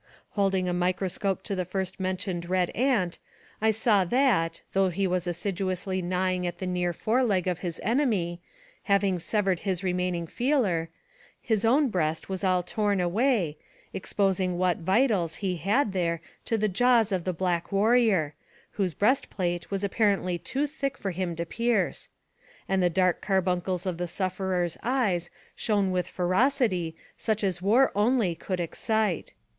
Holding a microscope to the first mentioned red ant, I saw that, though he was assiduously gnawing at the near fore leg of his enemy, having severed his remaining feeler, his own breast was all torn away, exposing what vitals he had there to the jaws of the black warrior, whose breastplate was apparently too thick for him to pierce; and the dark carbuncles of the sufferer's eyes shone with ferocity such as war only could excite.